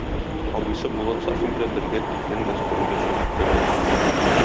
Абыйсы Булат Сафин белән бергә тиздән гастрольгә чыгып китәләр.